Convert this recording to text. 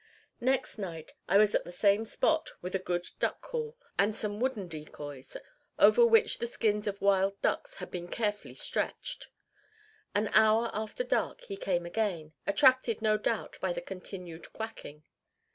Next night I was at the same spot with a good duck call, and some wooden decoys, over which the skins of wild ducks had been carefully stretched. An hour after dark he came again, attracted, no doubt, by the continued quacking.